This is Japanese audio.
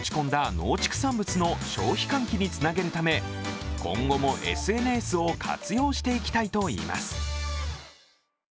農畜産物の消費喚起につなげるため今後もＳＮＳを活用していきたいといいます。